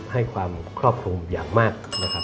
ให้ความครอบคลุมอย่างมากนะครับ